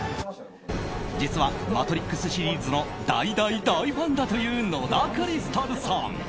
実は「マトリックス」シリーズの大大大ファンだという野田クリスタルさん。